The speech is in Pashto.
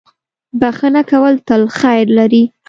• بښنه کول تل خیر لري.